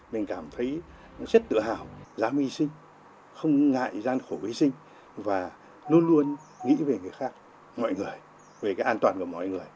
mình cảm thấy rất tự hào dám hy sinh không ngại gian khổ hy sinh và luôn luôn nghĩ về người khác mọi người về cái an toàn của mọi người